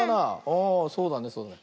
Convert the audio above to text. ああそうだねそうだね。